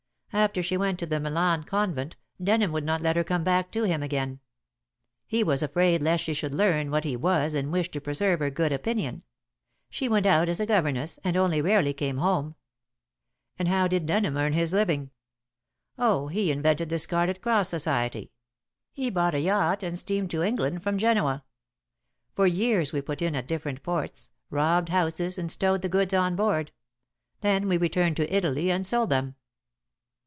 After she went to the Milan convent, Denham would not let her come back to him again. He was afraid lest she should learn what he was and wished to preserve her good opinion. She went out as a governess, and only rarely came home." "And how did Denham earn his living?" "Oh, he invented the Scarlet Cross Society. He bought a yacht, and steamed to England from Genoa. For years we put in at different ports, robbed houses and stowed the goods on board. Then we returned to Italy and sold them."